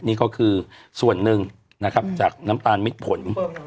นี่ก็คือส่วนหนึ่งนะครับจากน้ำตาลมิดผล